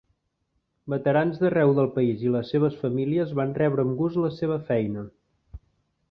Veterans d'arreu del país i les seves famílies van rebre amb gust la seva feina.